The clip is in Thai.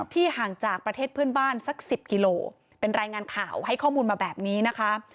ห่างจากประเทศเพื่อนบ้านสัก๑๐กิโลเป็นรายงานข่าวให้ข้อมูลมาแบบนี้นะคะ